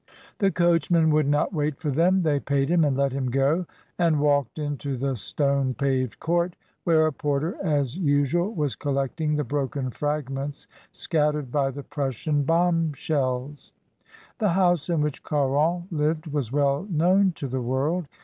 The coachman would not wait for them; they paid him and let him go, and walked into the stone paved court, where a porter, as usual, was collecting the broken fragments scattered by the Prussian bomb shells. The house in which Caron lived was well known to the world.